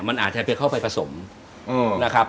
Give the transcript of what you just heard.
มันอาจจะไปเข้าไปผสมนะครับ